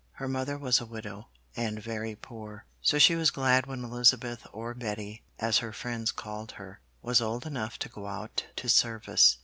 Her mother was a widow and very poor, so she was glad when Elizabeth or Betty, as her friends called her, was old enough to go out to service.